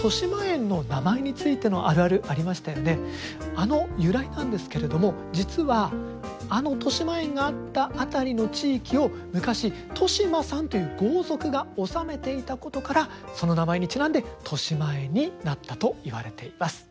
あの由来なんですけれども実はあのとしまえんがあった辺りの地域を昔豊島さんという豪族が治めていたことからその名前にちなんでとしまえんになったといわれています。